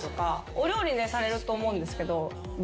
お料理されると思うんですけど。